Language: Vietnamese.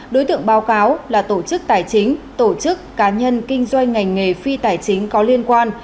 đối tượng báo cáo là tổ chức tài chính tổ chức cá nhân kinh doanh ngành nghề phi tài chính có liên quan